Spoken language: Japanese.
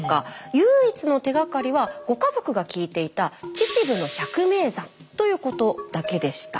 唯一の手がかりはご家族が聞いていたということだけでした。